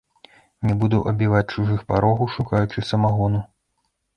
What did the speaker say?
Не буду абіваць чужых парогаў, шукаючы самагону.